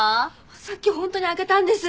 さっき本当に開けたんです。